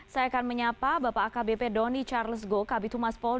saya akan menyapa bapak akbp donny charles goh kb thomas polda